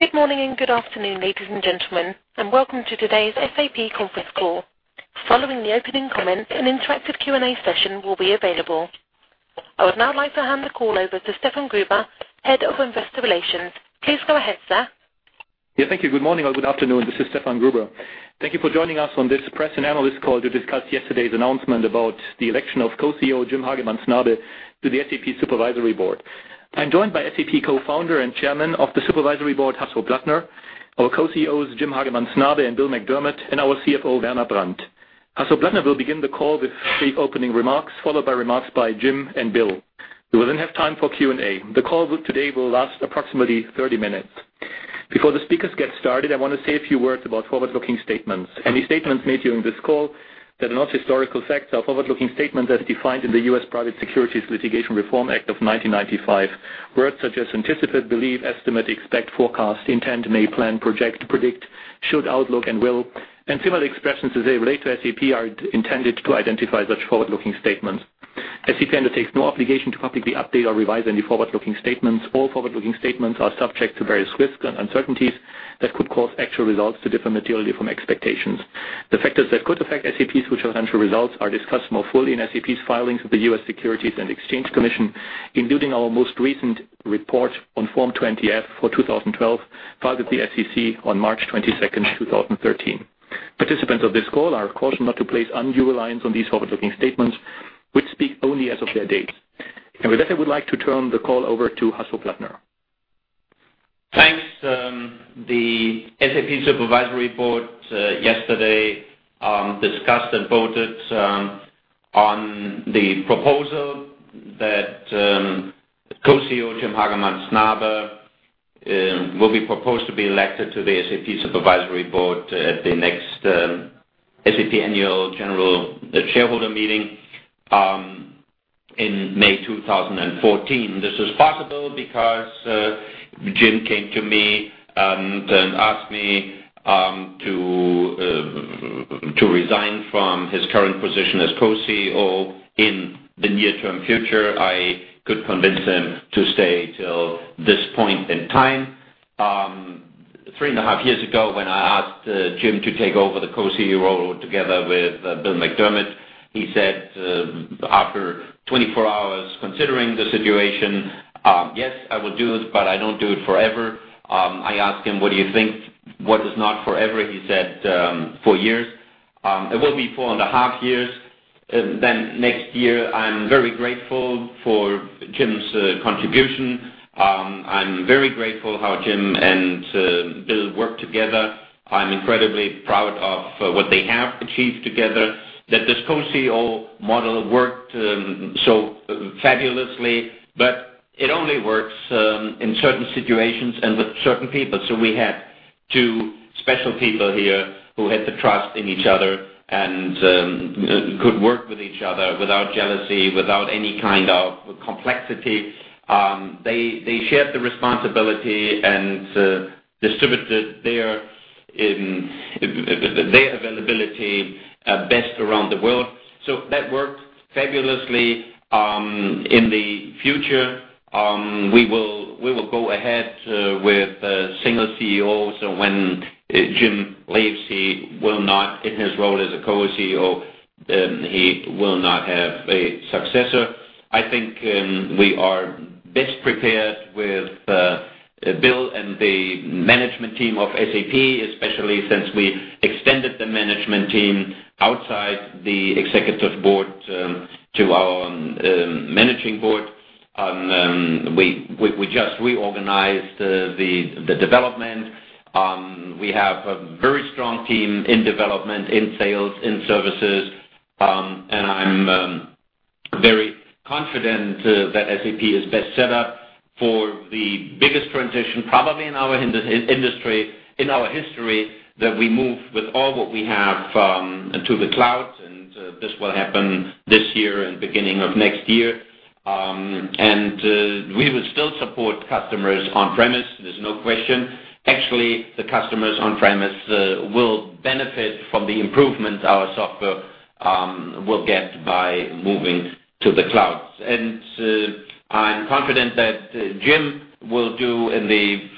Good morning and good afternoon, ladies and gentlemen, and welcome to today's SAP conference call. Following the opening comments, an interactive Q&A session will be available. I would now like to hand the call over to Stefan Gruber, Head of Investor Relations. Please go ahead, sir. Thank you. Good morning or good afternoon. This is Stefan Gruber. Thank you for joining us on this press and analyst call to discuss yesterday's announcement about the election of co-CEO Jim Hagemann Snabe to the SAP Supervisory Board. I'm joined by SAP co-founder and Chairman of the Supervisory Board, Hasso Plattner, our co-CEOs, Jim Hagemann Snabe and Bill McDermott, and our CFO, Werner Brandt. Hasso Plattner will begin the call with brief opening remarks, followed by remarks by Jim and Bill. We will have time for Q&A. The call today will last approximately 30 minutes. Before the speakers get started, I want to say a few words about forward-looking statements. Any statements made during this call that are not historical facts are forward-looking statements as defined in the U.S. Private Securities Litigation Reform Act of 1995. Words such as anticipate, believe, estimate, expect, forecast, intend, may, plan, project, predict, should, outlook, and will, and similar expressions as they relate to SAP are intended to identify such forward-looking statements. SAP undertakes no obligation to publicly update or revise any forward-looking statements. All forward-looking statements are subject to various risks and uncertainties that could cause actual results to differ materially from expectations. The factors that could affect SAP's financial results are discussed more fully in SAP's filings with the U.S. Securities and Exchange Commission, including our most recent report on Form 20-F for 2012, filed with the SEC on March 22nd, 2013. Participants of this call are cautioned not to place undue reliance on these forward-looking statements, which speak only as of their dates. With that, I would like to turn the call over to Hasso Plattner. Thanks. The SAP Supervisory Board yesterday discussed and voted on the proposal that co-CEO Jim Hagemann Snabe will be proposed to be elected to the SAP Supervisory Board at the next SAP annual general shareholder meeting in May 2014. This is possible because Jim came to me and asked me to resign from his current position as co-CEO in the near-term future. I could convince him to stay till this point in time. Three and a half years ago, when I asked Jim to take over the co-CEO role together with Bill McDermott, he said, after 24 hours considering the situation, "Yes, I will do it, but I don't do it forever." I asked him, "What do you think? What is not forever?" He said, "Four years." It will be four and a half years. Next year. I'm very grateful for Jim's contribution. I'm very grateful how Jim and Bill worked together. I'm incredibly proud of what they have achieved together, that this co-CEO model worked so fabulously, but it only works in certain situations and with certain people. We had two special people here who had the trust in each other and could work with each other without jealousy, without any kind of complexity. They shared the responsibility and distributed their availability best around the world. That worked fabulously. In the future, we will go ahead with a single CEO. When Jim leaves, in his role as a co-CEO, he will not have a successor. I think we are best prepared with Bill and the management team of SAP, especially since we extended the management team outside the Executive Board to our Managing Board. We just reorganized the development. We have a very strong team in development, in sales, in services. I'm very confident that SAP is best set up for the biggest transition, probably in our industry, in our history, that we move with all what we have to the cloud, and this will happen this year and beginning of next year. We will still support customers on-premise. There's no question. Actually, the customers on-premise will benefit from the improvements our software will get by moving to the cloud. I'm confident that Jim will do in the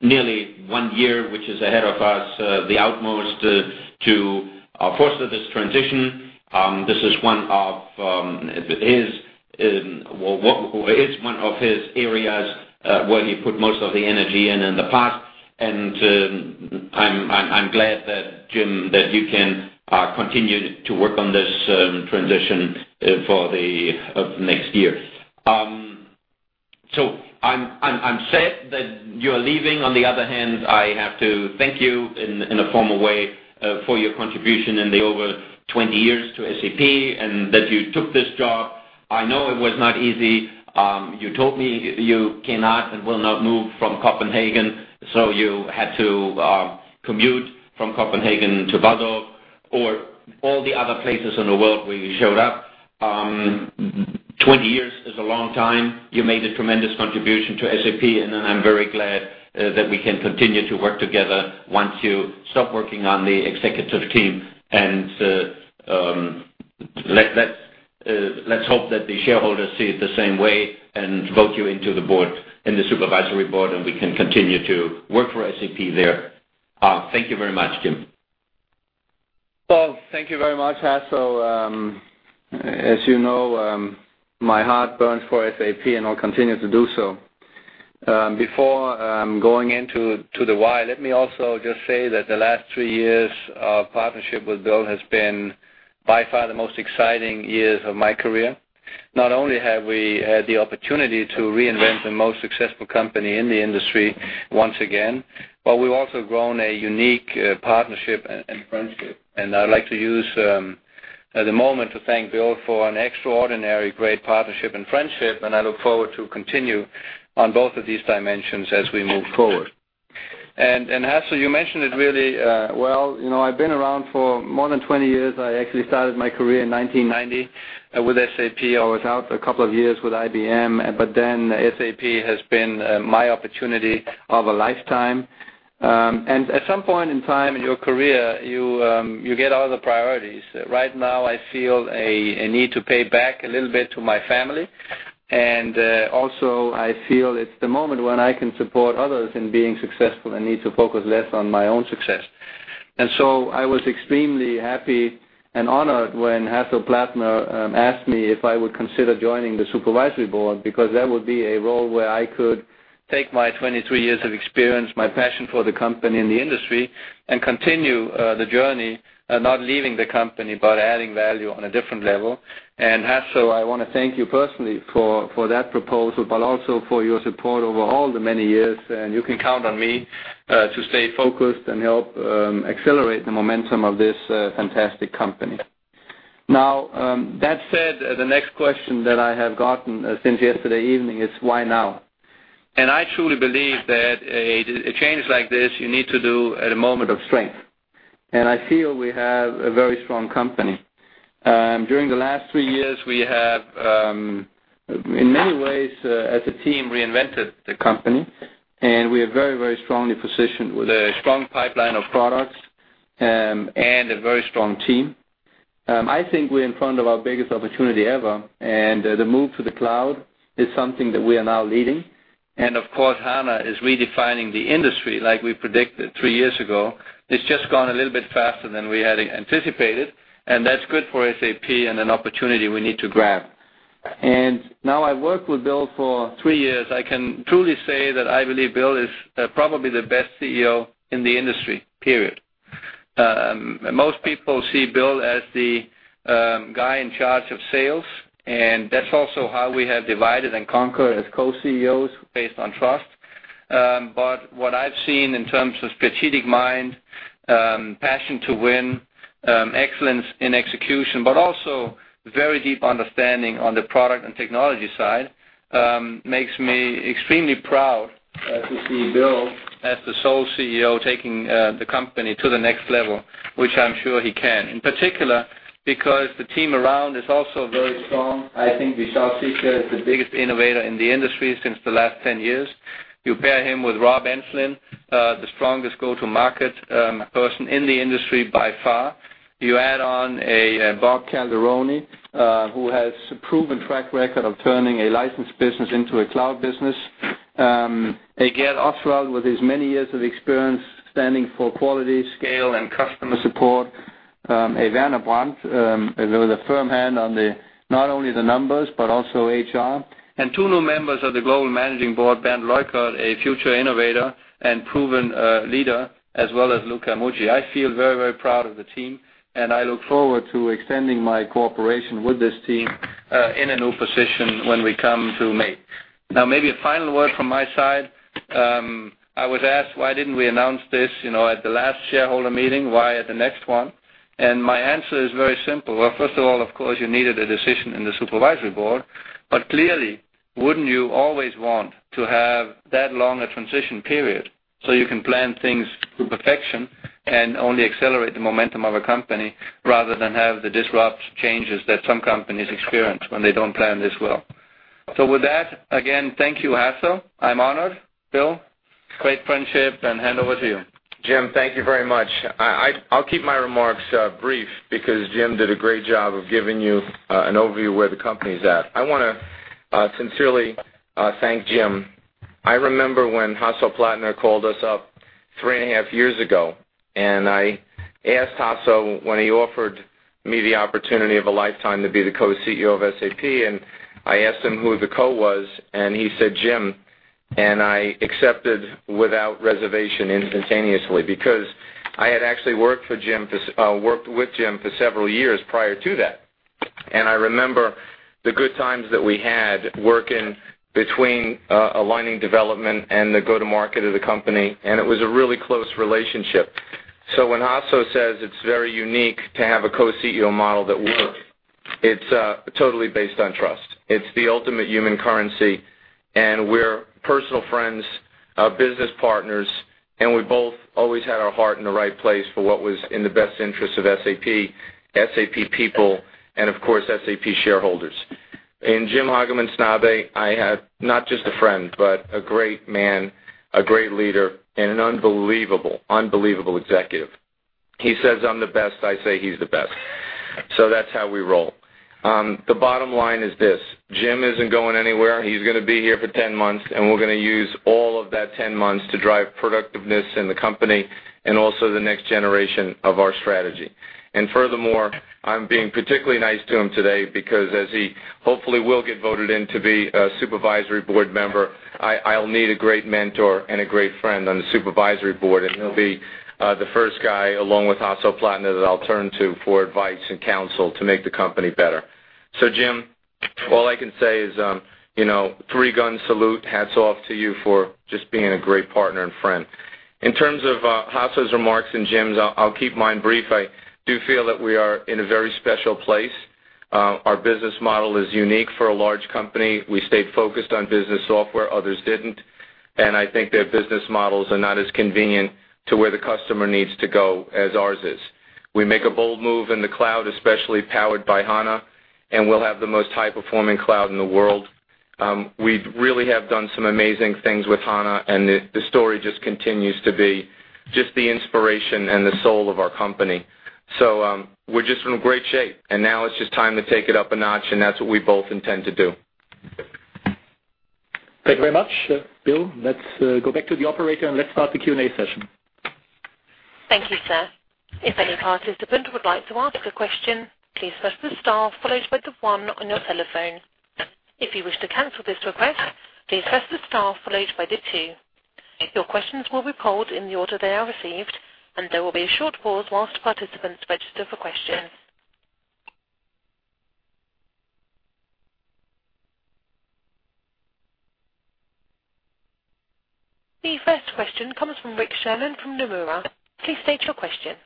nearly one year, which is ahead of us, the utmost to foster this transition. This is one of his areas where he put most of the energy in the past. I'm glad that, Jim, that you can continue to work on this transition for the next year. I'm sad that you're leaving. On the other hand, I have to thank you in a formal way for your contribution in the over 20 years to SAP and that you took this job. I know it was not easy. You told me you cannot and will not move from Copenhagen, so you had to commute from Copenhagen to Walldorf, or all the other places in the world where you showed up. 20 years is a long time. You made a tremendous contribution to SAP, and I'm very glad that we can continue to work together once you stop working on the Executive Team. Let's Let's hope that the shareholders see it the same way and vote you into the board, in the Supervisory Board, and we can continue to work for SAP there. Thank you very much, Jim. Well, thank you very much, Hasso. As you know, my heart burns for SAP and I'll continue to do so. Before going into the why, let me also just say that the last three years of partnership with Bill has been by far the most exciting years of my career. Not only have we had the opportunity to reinvent the most successful company in the industry once again, but we've also grown a unique partnership and friendship. I'd like to use the moment to thank Bill for an extraordinary, great partnership and friendship, and I look forward to continue on both of these dimensions as we move forward. Hasso, you mentioned it really well. I've been around for more than 20 years. I actually started my career in 1990 with SAP. I was out for a couple of years with IBM, SAP has been my opportunity of a lifetime. At some point in time in your career, you get other priorities. Right now, I feel a need to pay back a little bit to my family. Also I feel it's the moment when I can support others in being successful. I need to focus less on my own success. So I was extremely happy and honored when Hasso Plattner asked me if I would consider joining the supervisory board, because that would be a role where I could take my 23 years of experience, my passion for the company and the industry, and continue the journey, not leaving the company, but adding value on a different level. Hasso, I want to thank you personally for that proposal, but also for your support over all the many years. You can count on me to stay focused and help accelerate the momentum of this fantastic company. Now, that said, the next question that I have gotten since yesterday evening is, "Why now?" I truly believe that a change like this, you need to do at a moment of strength. I feel we have a very strong company. During the last three years, we have, in many ways, as a team, reinvented the company, and we are very strongly positioned with a strong pipeline of products and a very strong team. I think we're in front of our biggest opportunity ever, and the move to the cloud is something that we are now leading. Of course, HANA is redefining the industry like we predicted three years ago. It's just gone a little bit faster than we had anticipated, and that's good for SAP and an opportunity we need to grab. Now I worked with Bill for three years. I can truly say that I believe Bill is probably the best CEO in the industry, period. Most people see Bill as the guy in charge of sales, and that's also how we have divided and conquered as co-CEOs based on trust. What I've seen in terms of strategic mind, passion to win, excellence in execution, but also very deep understanding on the product and technology side, makes me extremely proud to see Bill as the sole CEO taking the company to the next level, which I'm sure he can. In particular, because the team around is also very strong. I think Vishal Sikka is the biggest innovator in the industry since the last 10 years. You pair him with Rob Enslin, the strongest go-to-market person in the industry by far. You add on a Bob Calderoni, who has a proven track record of turning a licensed business into a cloud business. A Gerhard Oswald with his many years of experience standing for quality, scale, and customer support. A Werner Brandt with a firm hand on the, not only the numbers, but also HR. Two new members of the global managing board, Bernd Leukert, a future innovator and proven leader, as well as Luka Mucic. I feel very proud of the team, and I look forward to extending my cooperation with this team in a new position when we come to May. Maybe a final word from my side. I was asked, why didn't we announce this at the last shareholder meeting? Why at the next one? My answer is very simple. Well, first of all, of course, you needed a decision in the SAP Supervisory Board. Clearly, wouldn't you always want to have that long a transition period so you can plan things to perfection and only accelerate the momentum of a company rather than have the disrupt changes that some companies experience when they don't plan this well? With that, again, thank you, Hasso. I'm honored. Bill, great friendship, and hand over to you. Jim, thank you very much. I'll keep my remarks brief because Jim did a great job of giving you an overview of where the company's at. I want to sincerely thank Jim. I remember when Hasso Plattner called us up three and a half years ago, I asked Hasso when he offered me the opportunity of a lifetime to be the Co-CEO of SAP, and I asked him who the Co was, and he said, "Jim." I accepted without reservation instantaneously because I had actually worked with Jim for several years prior to that. I remember the good times that we had working between aligning development and the go-to-market of the company, and it was a really close relationship. When Hasso says it's very unique to have a co-CEO model that works, it's totally based on trust. It's the ultimate human currency, and we're personal friends, business partners, and we both always had our heart in the right place for what was in the best interest of SAP people, and of course, SAP shareholders. In Jim Hagemann Snabe, I have not just a friend, but a great man, a great leader, and an unbelievable executive. He says I'm the best. I say he's the best. That's how we roll. The bottom line is this: Jim isn't going anywhere. He's going to be here for 10 months, and we're going to use all of that 10 months to drive productiveness in the company and also the next generation of our strategy. Furthermore, I'm being particularly nice to him today because as he hopefully will get voted in to be a Supervisory Board member, I'll need a great mentor and a great friend on the Supervisory Board, and he'll be the first guy, along with Hasso Plattner, that I'll turn to for advice and counsel to make the company better. Jim, all I can say is three-gun salute, hats off to you for just being a great partner and friend. In terms of Hasso's remarks and Jim's, I'll keep mine brief. I do feel that we are in a very special place. Our business model is unique for a large company. We stayed focused on business software, others didn't, and I think their business models are not as convenient to where the customer needs to go as ours is. We make a bold move in the cloud, especially powered by HANA, and we'll have the most high-performing cloud in the world. We really have done some amazing things with HANA, and the story just continues to be just the inspiration and the soul of our company. We're just in great shape, and now it's just time to take it up a notch, and that's what we both intend to do. Thank you very much, Bill. Let's go back to the operator and let's start the Q&A session. Thank you, sir. If any participant would like to ask a question, please press the star followed by the one on your telephone. If you wish to cancel this request, please press the star followed by the two. Your questions will be polled in the order they are received, and there will be a short pause whilst participants register for questions. The first question comes from Rick Sherlund from Nomura. Please state your question.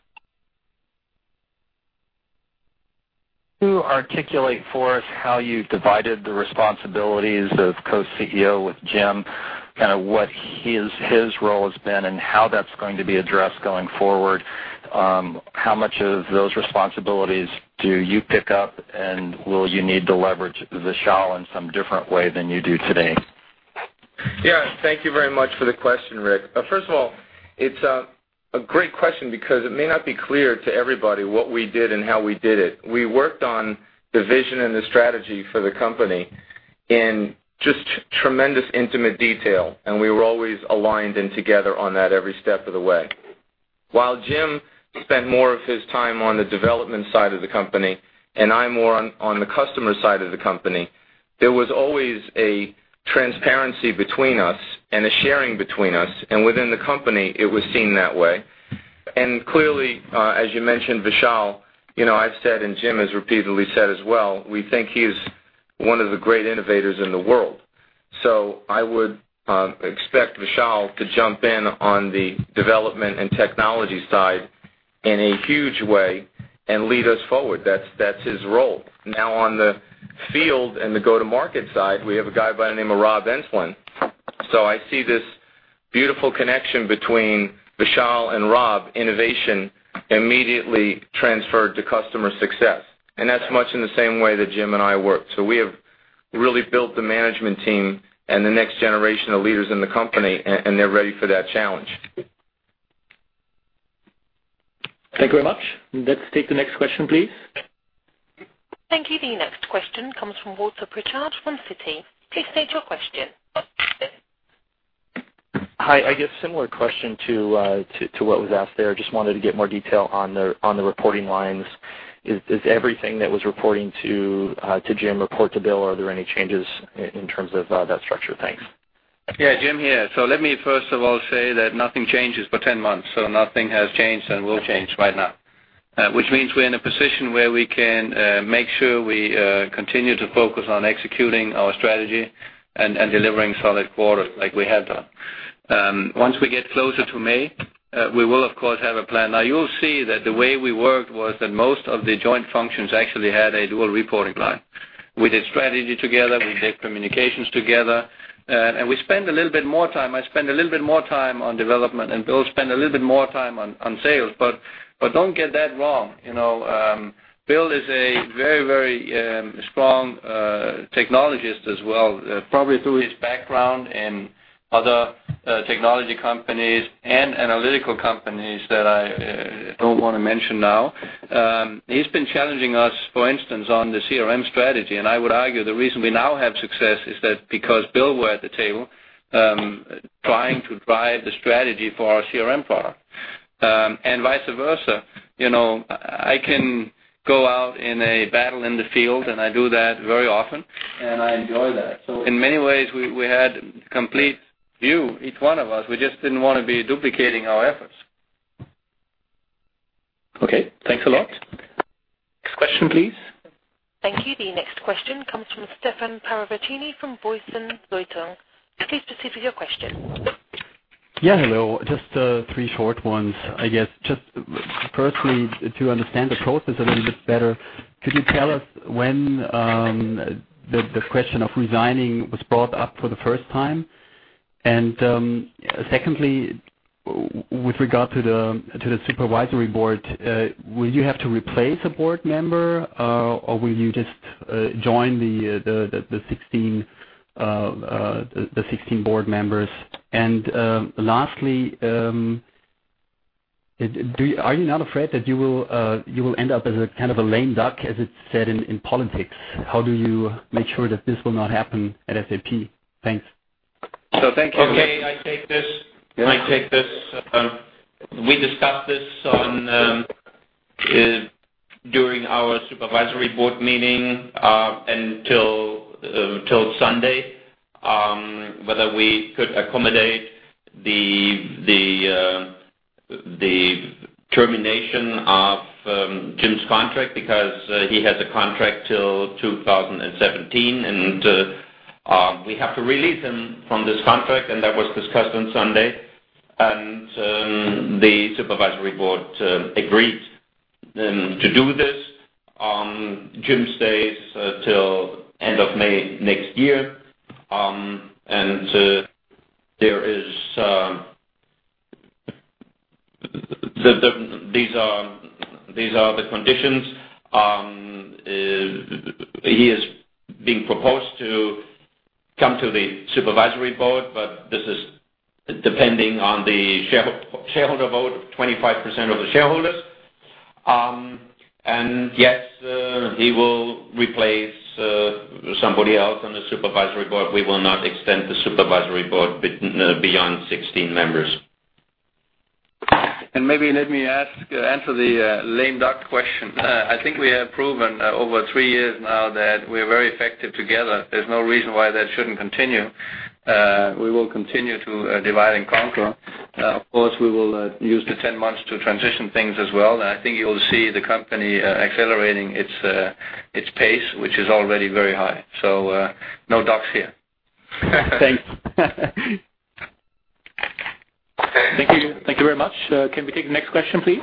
To articulate for us how you've divided the responsibilities of co-CEO with Jim, kind of what his role has been, and how that's going to be addressed going forward. How much of those responsibilities do you pick up, and will you need to leverage Vishal in some different way than you do today? Yeah. Thank you very much for the question, Rick. First of all, it's a great question because it may not be clear to everybody what we did and how we did it. We worked on the vision and the strategy for the company in just tremendous intimate detail, and we were always aligned and together on that every step of the way. While Jim spent more of his time on the development side of the company and I more on the customer side of the company, there was always a transparency between us and a sharing between us, and within the company, it was seen that way. Clearly, as you mentioned, Vishal, I've said and Jim has repeatedly said as well, we think he is one of the great innovators in the world. I would expect Vishal to jump in on the development and technology side in a huge way and lead us forward. That's his role. Now on the field and the go-to-market side, we have a guy by the name of Rob Enslin. I see this beautiful connection between Vishal and Rob, innovation immediately transferred to customer success, and that's much in the same way that Jim and I worked. We have really built the management team and the next generation of leaders in the company, and they're ready for that challenge. Thank you very much. Let's take the next question, please. Thank you. The next question comes from Walter Pritchard from Citi. Please state your question. Hi. I guess similar question to what was asked there. Just wanted to get more detail on the reporting lines. Is everything that was reporting to Jim report to Bill? Are there any changes in terms of that structure? Thanks. Yeah. Jim here. Let me first of all say that nothing changes for 10 months. Nothing has changed and will change right now. Which means we're in a position where we can make sure we continue to focus on executing our strategy and delivering solid quarters like we have done. Once we get closer to May, we will of course have a plan. You'll see that the way we worked was that most of the joint functions actually had a dual reporting line. We did strategy together, we did communications together. I spend a little bit more time on development, and Bill spend a little bit more time on sales. Don't get that wrong. Bill is a very strong technologist as well, probably through his background in other technology companies and analytical companies that I don't want to mention now. He's been challenging us, for instance, on the CRM strategy. I would argue the reason we now have success is that because Bill were at the table trying to drive the strategy for our CRM product. Vice versa, I can go out in a battle in the field, and I do that very often, and I enjoy that. In many ways, we had complete view, each one of us. We just didn't want to be duplicating our efforts. Okay, thanks a lot. Next question, please. Thank you. The next question comes from Stefan Parravicini from Börsen-Zeitung. Please proceed with your question. Hello. Just three short ones, I guess. Just firstly, to understand the process a little bit better, could you tell us when the question of resigning was brought up for the first time? Secondly, with regard to the Supervisory Board, will you have to replace a board member, or will you just join the 16 board members? Lastly, are you not afraid that you will end up as a kind of a lame duck, as it is said in politics? How do you make sure that this will not happen at SAP? Thanks. Thank you. Okay, I take this. We discussed this during our SAP Supervisory Board meeting until Sunday, whether we could accommodate the termination of Jim's contract, because he has a contract till 2017, and we have to release him from this contract, and that was discussed on Sunday. The SAP Supervisory Board agreed to do this. Jim stays till end of May next year. These are the conditions. He is being proposed to come to the SAP Supervisory Board, but this is depending on the shareholder vote, 25% of the shareholders. Yes, he will replace somebody else on the SAP Supervisory Board. We will not extend the SAP Supervisory Board beyond 16 members. Maybe let me answer the lame duck question. I think we have proven over three years now that we're very effective together. There's no reason why that shouldn't continue. We will continue to divide and conquer. Of course, we will use the 10 months to transition things as well. I think you'll see the company accelerating its pace, which is already very high. No ducks here. Thanks. Thank you very much. Can we take the next question, please?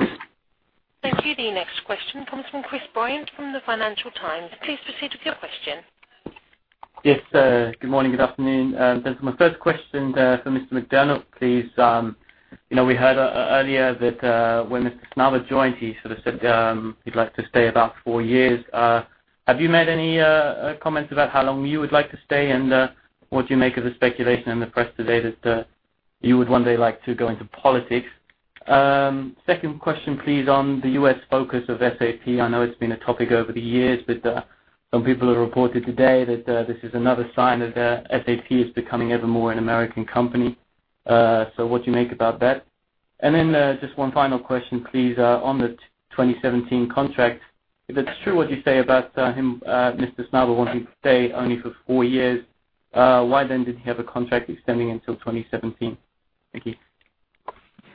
Thank you. The next question comes from Chris Bryant from the Financial Times. Please proceed with your question. Yes. Good morning. Good afternoon. My first question for Mr. McDermott, please. We heard earlier that when Mr. Snabe joined, he sort of said he'd like to stay about four years. Have you made any comments about how long you would like to stay? What do you make of the speculation in the press today that you would one day like to go into politics? Second question, please, on the U.S. focus of SAP. I know it's been a topic over the years, some people have reported today that this is another sign that SAP is becoming ever more an American company. What do you make about that? Just one final question, please, on the 2017 contract. If it's true what you say about Mr. Snabe wanting to stay only for four years, why then did he have a contract extending until 2017? Thank you.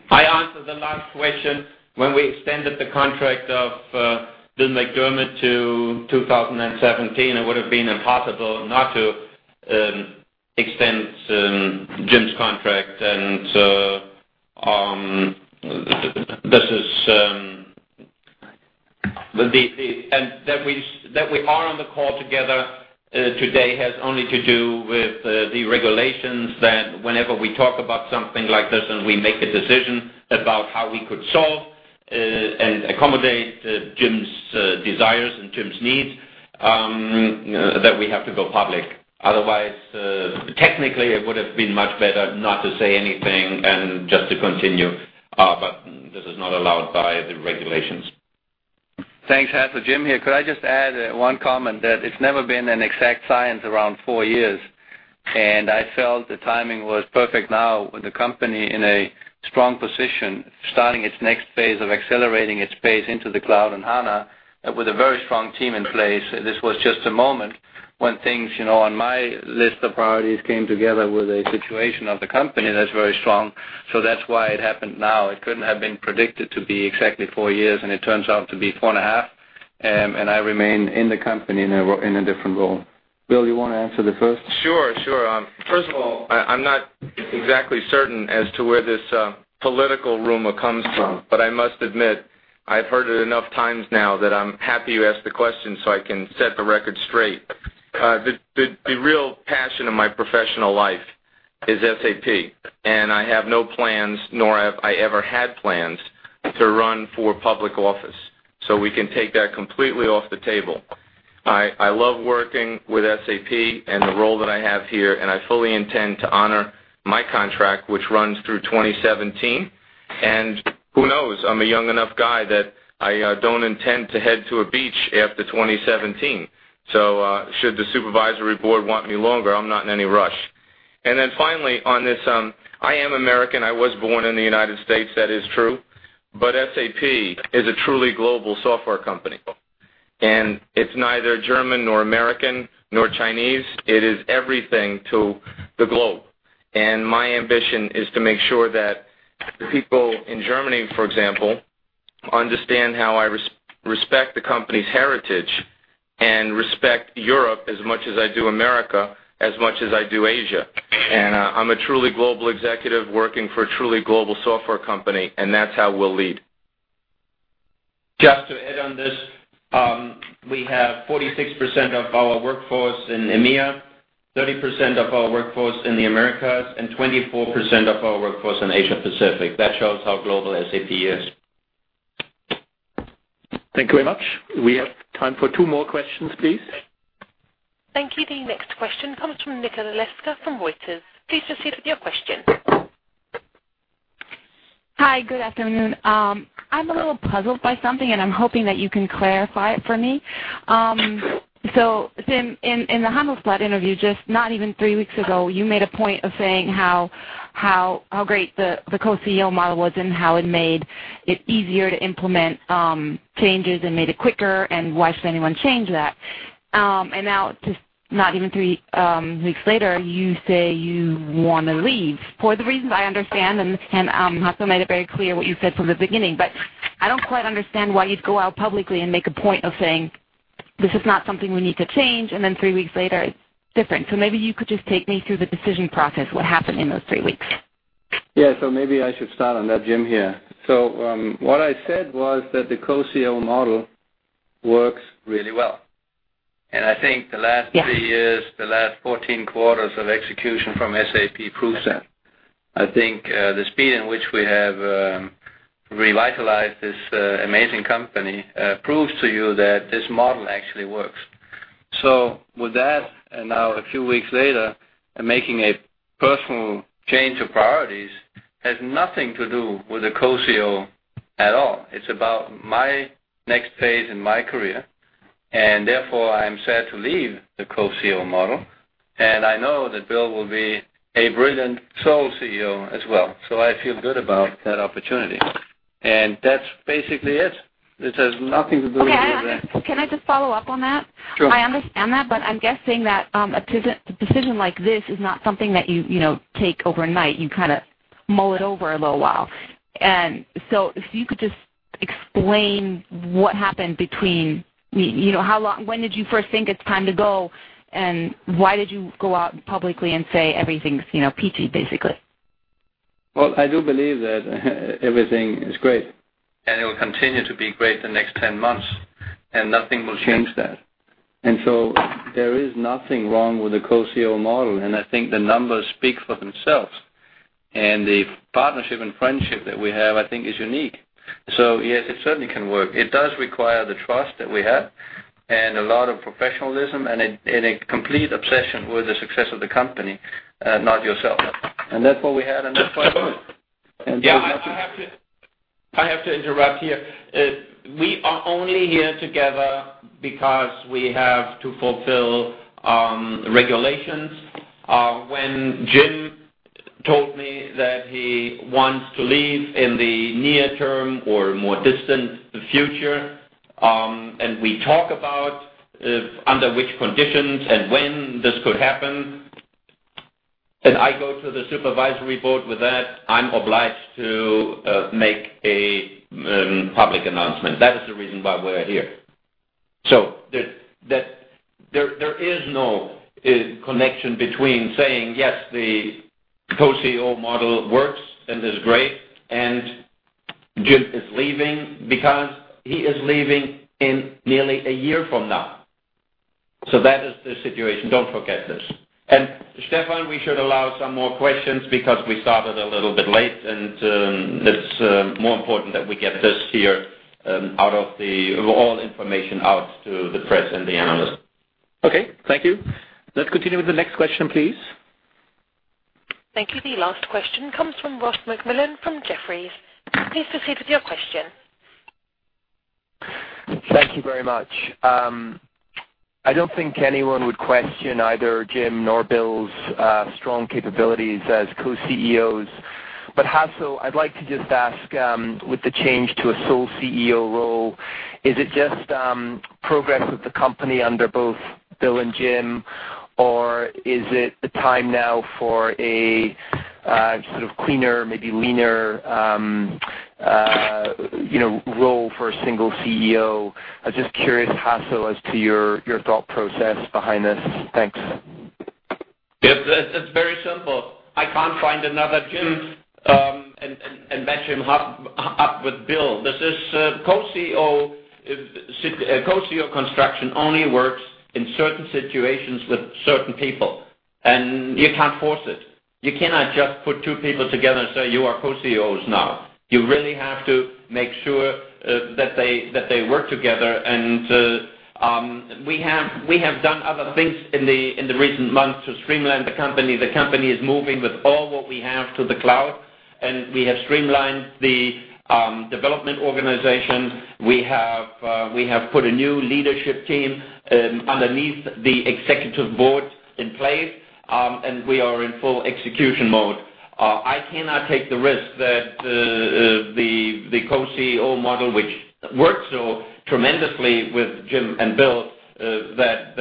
I answer the last question. When we extended the contract of Bill McDermott to 2017, it would have been impossible not to extend Jim's contract. That we are on the call together today has only to do with the regulations that whenever we talk about something like this, and we make a decision about how we could solve and accommodate Jim's desires and Jim's needs, that we have to go public. Otherwise, technically, it would've been much better not to say anything and just to continue. This is not allowed by the regulations. Thanks, Hasso. Jim here. Could I just add one comment that it's never been an exact science around four years, and I felt the timing was perfect now with the company in a strong position, starting its next phase of accelerating its pace into the cloud and HANA, with a very strong team in place. This was just a moment when things on my list of priorities came together with a situation of the company that's very strong. That's why it happened now. It couldn't have been predicted to be exactly four years, and it turns out to be four and a half. I remain in the company in a different role. Bill, you want to answer the first? Sure. First of all, I'm not exactly certain as to where this political rumor comes from. I must admit, I've heard it enough times now that I'm happy you asked the question so I can set the record straight. The real passion of my professional life is SAP, and I have no plans, nor have I ever had plans, to run for public office. We can take that completely off the table. I love working with SAP and the role that I have here, and I fully intend to honor my contract, which runs through 2017. Who knows? I'm a young enough guy that I don't intend to head to a beach after 2017. Should the Supervisory Board want me longer, I'm not in any rush. Finally, on this, I am American. I was born in the United States. That is true. SAP is a truly global software company, it's neither German nor American nor Chinese. It is everything to the globe. My ambition is to make sure that the people in Germany, for example, understand how I respect the company's heritage and respect Europe as much as I do America, as much as I do Asia. I'm a truly global executive working for a truly global software company, and that's how we'll lead. Just to add on this, we have 46% of our workforce in EMEA, 30% of our workforce in the Americas, and 24% of our workforce in Asia Pacific. That shows how global SAP is. Thank you very much. We have time for two more questions, please. Thank you. The next question comes from Nicola Leske from Reuters. Please proceed with your question. Hi, good afternoon. I'm a little puzzled by something, and I'm hoping that you can clarify it for me. Jim, in the Handelsblatt interview, just not even three weeks ago, you made a point of saying how great the co-CEO model was and how it made it easier to implement changes and made it quicker, and why should anyone change that? Now, just not even three weeks later, you say you want to leave. For the reasons I understand, Hasso made it very clear what you said from the beginning, I don't quite understand why you'd go out publicly and make a point of saying, "This is not something we need to change." Three weeks later, it's different. Maybe you could just take me through the decision process. What happened in those three weeks? Yeah. Maybe I should start on that. Jim here. What I said was that the co-CEO model works really well. I think the last three years. Yeah I think the last 14 quarters of execution from SAP proves that. I think the speed in which we have revitalized this amazing company proves to you that this model actually works. With that, now a few weeks later, I'm making a personal change of priorities. It has nothing to do with the co-CEO at all. It's about my next phase in my career. Therefore, I am sad to leave the co-CEO model. I know that Bill will be a brilliant sole CEO as well. I feel good about that opportunity. That's basically it. This has nothing to do with that. Can I just follow up on that? Sure. I understand that, I'm guessing that a decision like this is not something that you take overnight. You kind of mull it over a little while. If you could just explain what happened between, when did you first think it's time to go, and why did you go out publicly and say everything's peachy, basically? I do believe that everything is great. It will continue to be great the next 10 months, nothing will change that. There is nothing wrong with the co-CEO model, I think the numbers speak for themselves. The partnership and friendship that we have, I think is unique. Yes, it certainly can work. It does require the trust that we have and a lot of professionalism and a complete obsession with the success of the company, not yourself. That's what we had, and that's what it is. I have to interrupt here. We are only here together because we have to fulfill regulations. When Jim told me that he wants to leave in the near term or more distant future, we talk about under which conditions and when this could happen, I go to the Supervisory Board with that, I'm obliged to make a public announcement. That is the reason why we're here. There is no connection between saying, yes, the co-CEO model works and is great, Jim is leaving because he is leaving in nearly a year from now. That is the situation. Don't forget this. Stefan, we should allow some more questions because we started a little bit late, and it's more important that we get this here out of the all information out to the press and the analysts. Thank you. Let's continue with the next question, please. Thank you. The last question comes from Ross MacMillan from Jefferies. Please proceed with your question. Thank you very much. I don't think anyone would question either Jim nor Bill's strong capabilities as co-CEOs. Hasso, I'd like to just ask, with the change to a sole CEO role, is it just progress with the company under both Bill and Jim, or is it the time now for a sort of cleaner, maybe leaner role for a single CEO? I'm just curious, Hasso, as to your thought process behind this. Thanks. It's very simple. I can't find another Jim. Match him up with Bill. This is co-CEO. Co-CEO construction only works in certain situations with certain people. You can't force it. You cannot just put two people together and say, "You are co-CEOs now." You really have to make sure that they work together. We have done other things in the recent months to streamline the company. The company is moving with all what we have to the cloud. We have streamlined the development organization. We have put a new leadership team underneath the executive board in place. We are in full execution mode. I cannot take the risk that the co-CEO model, which worked so tremendously with Jim and Bill, that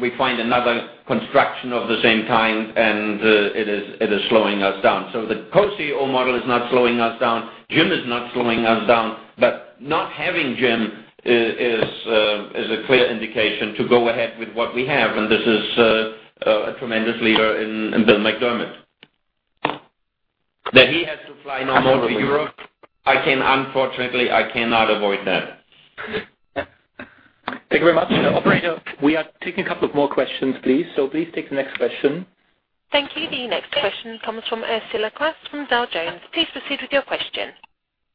we find another construction of the same kind. It is slowing us down. The co-CEO model is not slowing us down. Jim is not slowing us down. Not having Jim is a clear indication to go ahead with what we have. This is a tremendous leader in Bill McDermott. He has to fly no more to Europe, unfortunately, I cannot avoid that. Thank you very much. Operator, we are taking a couple of more questions, please. Please take the next question. Thank you. The next question comes from Ursula Qass from Dow Jones. Please proceed with your question.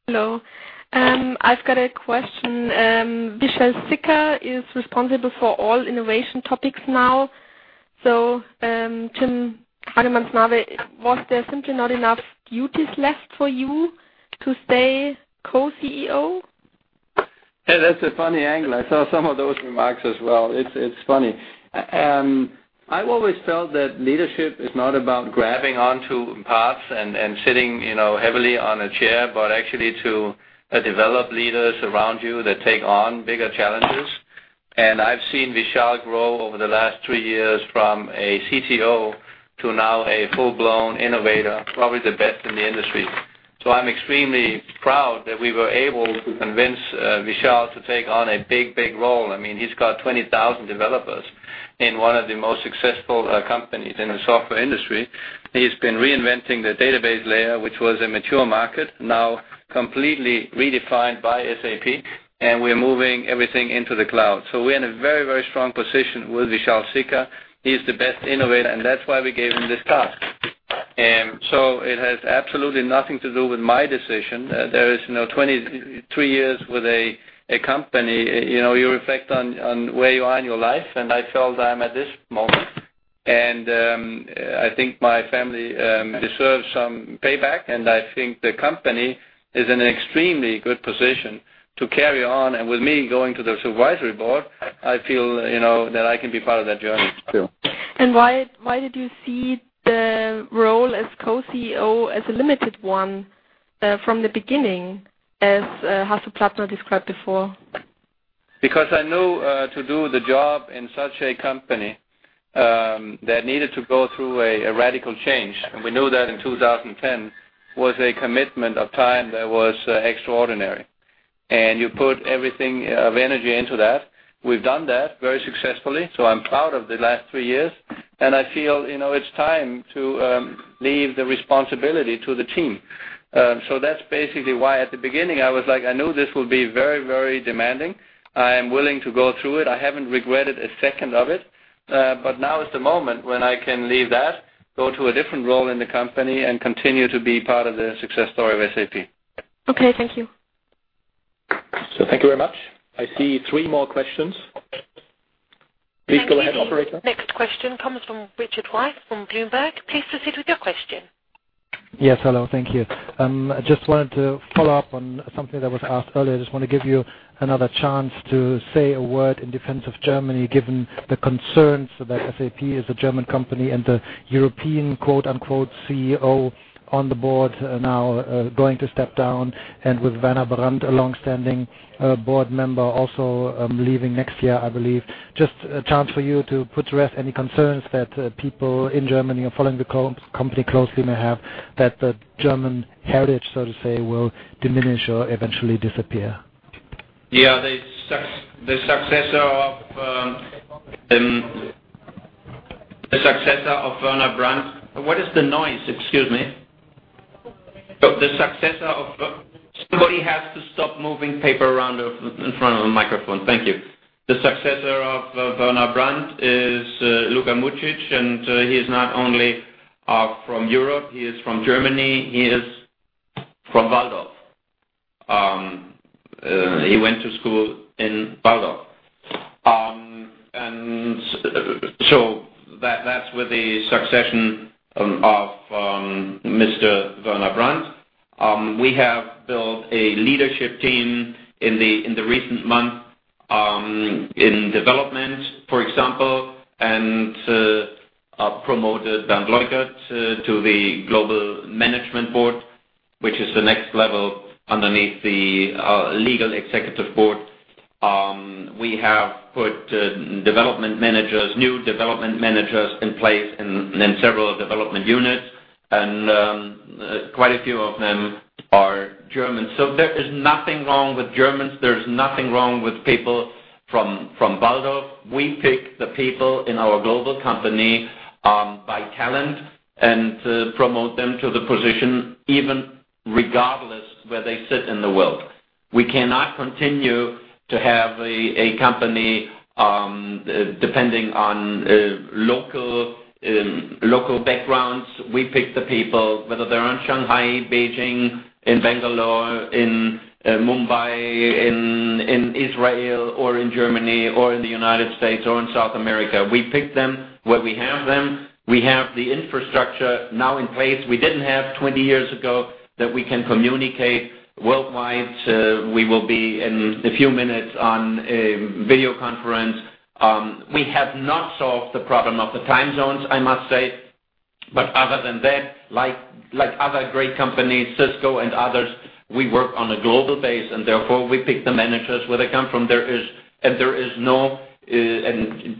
Hello. I've got a question. Vishal Sikka is responsible for all innovation topics now. Jim Hagemann Snabe, was there simply not enough duties left for you to stay Co-CEO? Yeah, that's a funny angle. I saw some of those remarks as well. It's funny. I've always felt that leadership is not about grabbing onto paths and sitting heavily on a chair, but actually to develop leaders around you that take on bigger challenges. I've seen Vishal grow over the last three years from a CTO to now a full-blown innovator, probably the best in the industry. I'm extremely proud that we were able to convince Vishal to take on a big role. He's got 20,000 developers in one of the most successful companies in the software industry. He's been reinventing the database layer, which was a mature market, now completely redefined by SAP, and we're moving everything into the cloud. We're in a very strong position with Vishal Sikka. He's the best innovator, and that's why we gave him this task. It has absolutely nothing to do with my decision. There is now 23 years with a company. You reflect on where you are in your life, and I felt I'm at this moment, and I think my family deserves some payback, and I think the company is in an extremely good position to carry on. With me going to the SAP Supervisory Board, I feel that I can be part of that journey, too. Why did you see the role as co-CEO as a limited one from the beginning, as Hasso Plattner described before? Because I know to do the job in such a company, that needed to go through a radical change, and we knew that in 2010, was a commitment of time that was extraordinary. You put everything of energy into that. We've done that very successfully. I'm proud of the last three years, and I feel it's time to leave the responsibility to the team. That's basically why at the beginning, I was like, I knew this would be very demanding. I am willing to go through it. I haven't regretted a second of it. Now is the moment when I can leave that, go to a different role in the company, and continue to be part of the success story of SAP. Okay. Thank you. Thank you very much. I see three more questions. Please go ahead, operator. Thank you. The next question comes from Richard Weiss from Bloomberg. Please proceed with your question. Hello. Thank you. I just wanted to follow up on something that was asked earlier. I just want to give you another chance to say a word in defense of Germany, given the concerns that SAP is a German company and the European, quote-unquote, CEO on the board now going to step down, and with Werner Brandt, a long-standing board member, also leaving next year, I believe. Just a chance for you to put to rest any concerns that people in Germany are following the company closely may have that the German heritage, so to say, will diminish or eventually disappear. Yeah. The successor of Werner Brandt. What is the noise? Excuse me. Somebody has to stop moving paper around in front of the microphone. Thank you. The successor of Werner Brandt is Luka Mucic, and he is not only from Europe. He is from Germany. He is from Walldorf. He went to school in Walldorf. That's with the succession of Mr. Werner Brandt. We have built a leadership team in the recent months in development, for example, and promoted Bernd Leukert to the Global Management Board, which is the next level underneath the Legal Executive Board. We have put new development managers in place in several development units, and quite a few of them are German. There is nothing wrong with Germans. There's nothing wrong with people from Walldorf. We pick the people in our global company by talent and promote them to the position, even regardless where they sit in the world. We cannot continue to have a company depending on local backgrounds. We pick the people, whether they're in Shanghai, Beijing, in Bangalore, in Mumbai, in Israel, or in Germany, or in the United States or in South America. We pick them where we have them. We have the infrastructure now in place we didn't have 20 years ago that we can communicate worldwide. We will be, in a few minutes, on a video conference. We have not solved the problem of the time zones, I must say. Other than that, like other great companies, Cisco and others, we work on a global base, and therefore, we pick the managers where they come from.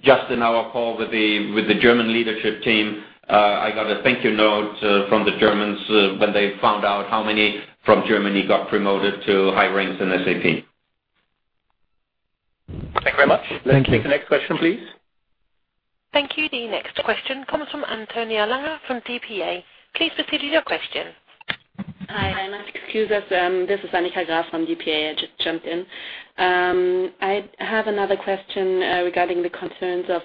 Just in our call with the German leadership team, I got a thank you note from the Germans when they found out how many from Germany got promoted to high ranks in SAP. Thank you very much. Thank you. Let's take the next question, please. Thank you. The next question comes from Antonia Gräfe from DPA. Please proceed with your question. Hi. Excuse us. This is Antonia Gräfe from DPA. I just jumped in. I have another question regarding the concerns of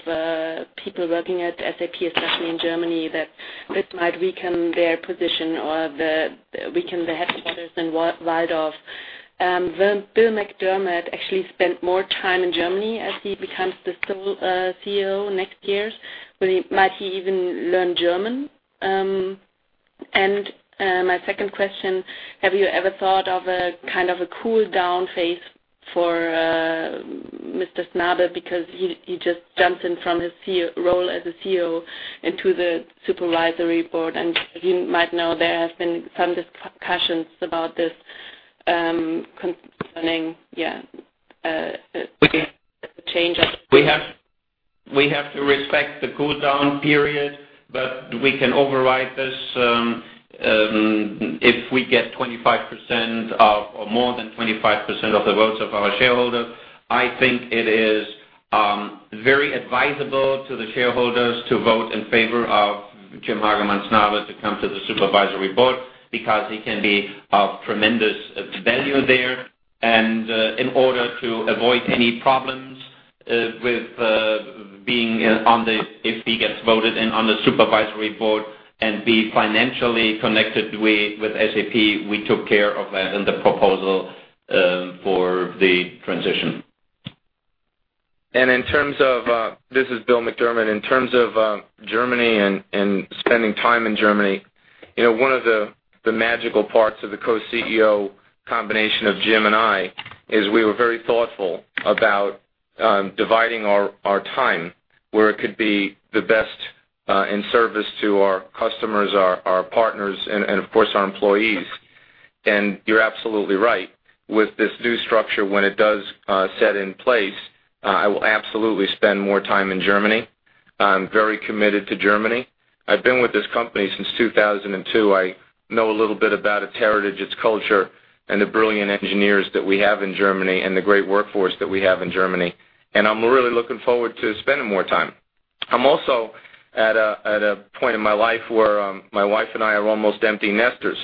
people working at SAP, especially in Germany, that this might weaken their position or weaken the headquarters in Walldorf. Will Bill McDermott actually spend more time in Germany as he becomes the sole CEO next year? Might he even learn German? My second question, have you ever thought of a kind of a cool down phase for Mr. Snabe because he just jumps in from his role as a CEO into the Supervisory Board, and you might know there has been some discussions about this concerning, yeah, the change of We have to respect the cool down period, we can override this if we get 25% of, or more than 25% of the votes of our shareholders. I think it is very advisable to the shareholders to vote in favor of Jim Hagemann Snabe to come to the SAP Supervisory Board because he can be of tremendous value there. In order to avoid any problems with being on the, if he gets voted in on the SAP Supervisory Board and be financially connected with SAP, we took care of that in the proposal for the transition. In terms of, this is Bill McDermott, in terms of Germany and spending time in Germany, one of the magical parts of the co-CEO combination of Jim and I is we were very thoughtful about dividing our time where it could be the best in service to our customers, our partners, and of course, our employees. You're absolutely right. With this new structure, when it does set in place, I will absolutely spend more time in Germany. I'm very committed to Germany. I've been with this company since 2002. I know a little bit about its heritage, its culture, and the brilliant engineers that we have in Germany and the great workforce that we have in Germany. I'm really looking forward to spending more time. I'm also at a point in my life where my wife and I are almost empty nesters.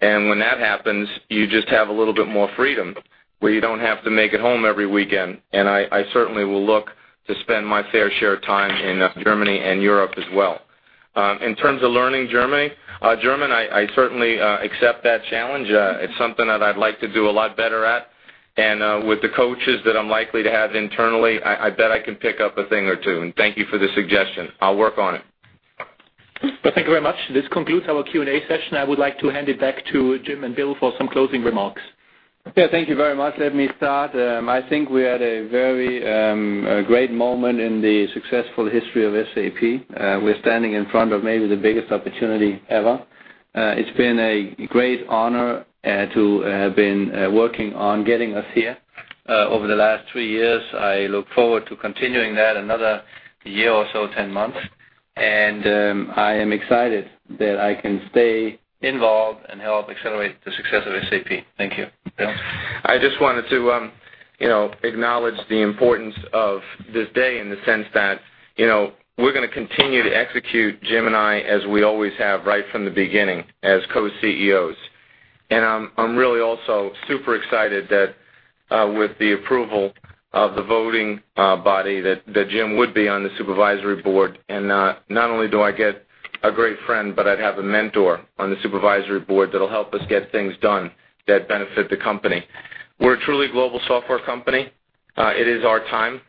When that happens, you just have a little bit more freedom where you don't have to make it home every weekend. I certainly will look to spend my fair share of time in Germany and Europe as well. In terms of learning German, I certainly accept that challenge. It's something that I'd like to do a lot better at. With the coaches that I'm likely to have internally, I bet I can pick up a thing or two. Thank you for the suggestion. I'll work on it. Well, thank you very much. This concludes our Q&A session. I would like to hand it back to Jim and Bill for some closing remarks. Yeah, thank you very much. Let me start. I think we're at a very great moment in the successful history of SAP. We're standing in front of maybe the biggest opportunity ever. It's been a great honor to have been working on getting us here over the last three years. I look forward to continuing that another year or so, 10 months. I am excited that I can stay involved and help accelerate the success of SAP. Thank you. Bill? I just wanted to acknowledge the importance of this day in the sense that we're going to continue to execute, Jim and I, as we always have right from the beginning as co-CEOs. I'm really also super excited that with the approval of the voting body, that Jim would be on the SAP Supervisory Board. Not only do I get a great friend, but I'd have a mentor on the SAP Supervisory Board that'll help us get things done that benefit the company. We're a truly global software company. It is our time,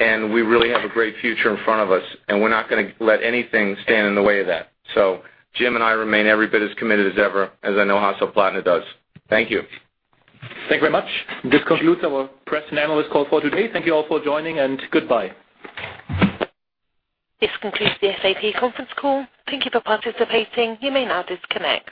and we really have a great future in front of us, and we're not going to let anything stand in the way of that. Jim and I remain every bit as committed as ever, as I know Hasso Plattner does. Thank you. Thank you very much. This concludes our press and analyst call for today. Thank you all for joining, and goodbye. This concludes the SAP conference call. Thank you for participating. You may now disconnect.